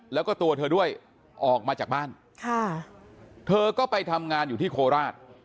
แล้วก็ตัวเธอด้วยออกมาจากบ้านค่ะเธอก็ไปทำงานอยู่ที่โคราช